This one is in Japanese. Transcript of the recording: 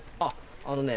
あのね。